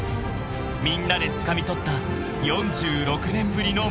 ［みんなでつかみ取った４６年ぶりのメダル］